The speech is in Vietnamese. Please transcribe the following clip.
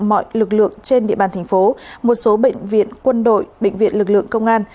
mọi lực lượng trên địa bàn tp một số bệnh viện quân đội bệnh viện lực lượng công an